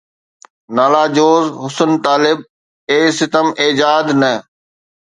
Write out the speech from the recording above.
نالہ جوز حسنِ طالب، اي ستم ايجاد! نه